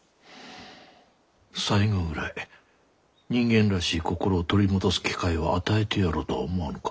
最後ぐらい人間らしい心を取り戻す機会を与えてやろうとは思わぬか。